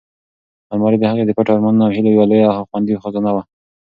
المارۍ د هغې د پټو ارمانونو او هیلو یوه لویه او خوندي خزانه وه.